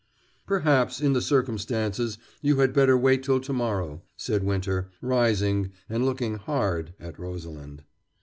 "Perhaps, in the circumstances, you had better wait till to morrow," said Winter, rising and looking hard at Rosalind.